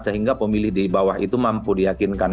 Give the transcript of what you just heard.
sehingga pemilih di bawah itu mampu diyakinkan